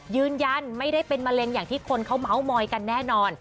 ยืนยันไม่ได้เป็นมะเร็งอย่างที่คนเขาเมาส์มอยกันแน่นอน